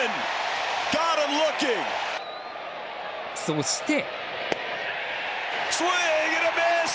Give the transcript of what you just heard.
そして。